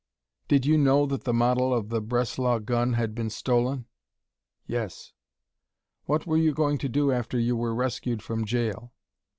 "Did you know that the model of the Breslau gun had been stolen?" "Yes." "What were you going to do after you were rescued from jail?"